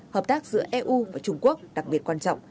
hợp tác giữa eu và trung quốc đặc biệt quan trọng